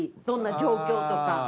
どんな状況とか。